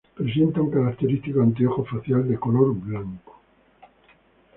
Presenta un característico anteojo facial de color blanco.